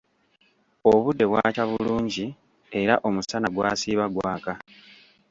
Obudde bwakya bulungi era omusana gwasiiba gwaka.